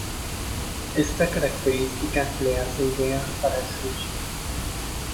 Esta característica le hace ideal para el sushi.